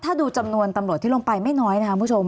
ถ้าดูจำนวนตำรวจที่ลงไปไม่น้อยนะครับคุณผู้ชม